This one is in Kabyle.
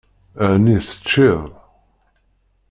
Ɛni teččiḍ?